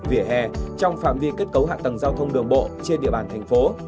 vỉa hè trong phạm vi kết cấu hạ tầng giao thông đường bộ trên địa bàn thành phố